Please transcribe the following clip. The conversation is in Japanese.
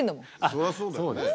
そりゃそうだよね。